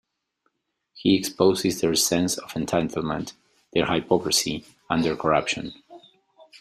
He exposes their sense of entitlement, their hypocrisy, and their corruption.